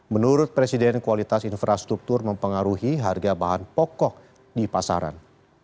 menurut presiden kualitas infrastruktur mempengaruhi harga bahan pokok di pasaran